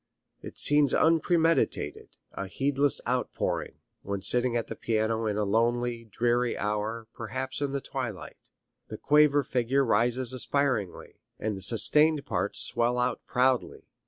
It seems unpremeditated, a heedless outpouring, when sitting at the piano in a lonely, dreary hour, perhaps in the twilight. The quaver figure rises aspiringly, and the sustained parts swell out proudly.